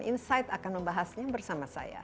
insight akan membahasnya bersama saya desi anwar